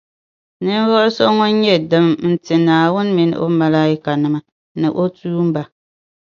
Ninvuɣu so ŋun nyɛ dima n-ti Naawuni mini O Malaaikanima, ni O tuumba